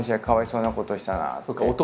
かわいそうなことしたな」